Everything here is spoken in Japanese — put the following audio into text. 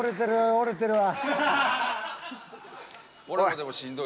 折れてるわ。